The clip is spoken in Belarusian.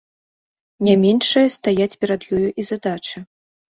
Не меншыя стаяць перад ёю і задачы.